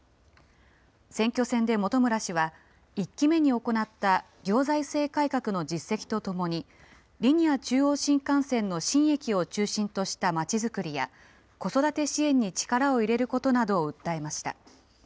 選挙戦で本村氏は、１期目に行った行財政改革の実績とともに、リニア中央新幹線の新駅を中心としたまちづくりや、子育て支援に力を入れることなどを訴えました。